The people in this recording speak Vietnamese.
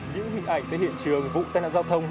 những hình ảnh tới hiện trường vụ tai nạn giao thông